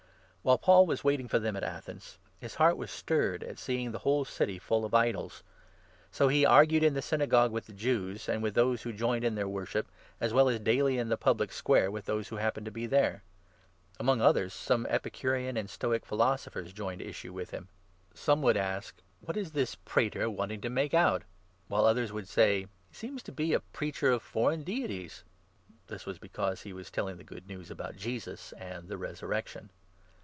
Paul While Paul was waiting for them at Athens, 16 at Athens, his heart was stirred at seeing the whole city full of idols. So he argued in the Synagogue with the Jews and 17 with those who joined in their worship, as well as daily in the public Square with those who happened to be there. Among others, some Epicurean and Stoic Philosophers joined 18 issue with him. Some would ask "What is this prater 248 THE ACTS, 17. wanting to make out?", while others would say "He seems to be a Preacher of foreign Deities." (This was because he was telling the Good News about Jesus and the Resurrec tion).